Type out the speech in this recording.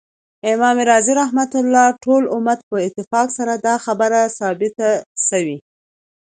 امام رازی رحمه الله : ټول امت په اتفاق سره دا خبره ثابته سوی